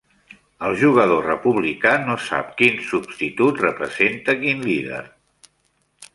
El jugador republicà no sap quin substitut representa quin líder.